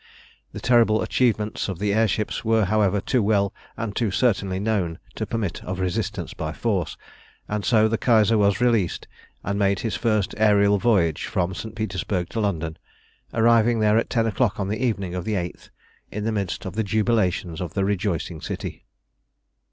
The terrible achievements of the air ships were, however, too well and too certainly known to permit of resistance by force, and so the Kaiser was released, and made his first aërial voyage from St. Petersburg to London, arriving there at ten o'clock on the evening of the 8th, in the midst of the jubilations of the rejoicing city.